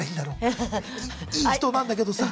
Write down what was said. い人なんだけどさ。